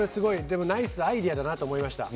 でも、ナイスアイデアだなと思いました。